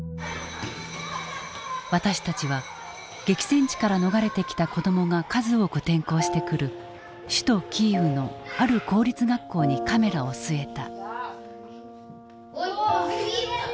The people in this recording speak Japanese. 私たちは激戦地から逃れてきた子どもが数多く転校してくる首都キーウのある公立学校にカメラを据えた。